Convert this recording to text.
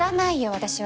私は。